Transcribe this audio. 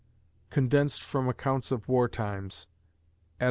[Condensed from accounts of war times Ed.